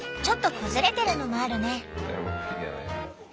ちょっと崩れてるのもあるね。